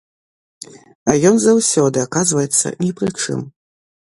А ён заўсёды аказваецца ні пры чым.